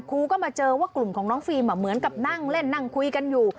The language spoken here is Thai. ครูก็มาเจอว่ากลุ่มของน้องฟิล์มเหมือนกับนั่งเล่นนั่งคุยกันอยู่